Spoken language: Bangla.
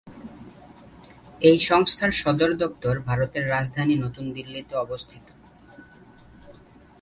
এই সংস্থার সদর দপ্তর ভারতের রাজধানী নতুন দিল্লিতে অবস্থিত।